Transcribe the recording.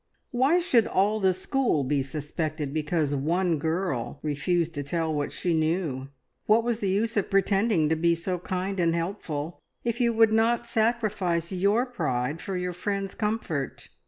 Why should all the school be suspected because one girl refused to tell what she knew? What was the use of pretending to be so kind and helpful, if you would not sacrifice your pride for your friends' comfort?